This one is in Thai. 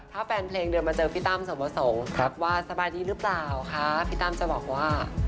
ถ้าแฟนเพลงเดินมาเจอพี่ตั้มส่วนประสงค์ว่าสบายดีหรือเปล่าคะพี่ตั้มจะบอกว่า